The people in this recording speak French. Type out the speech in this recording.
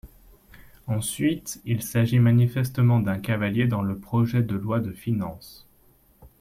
Ensuite, il s’agit manifestement d’un cavalier dans le projet de loi de finances.